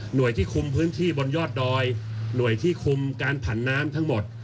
โดยที่คุมพื้นที่บนยอดดอยหน่วยที่คุมการผันน้ำทั้งหมด